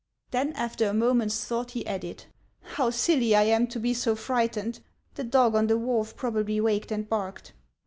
Then, after a moment's thought, he added :" How silly I am to be so frightened ! The dog on the wharf probably waked and barked."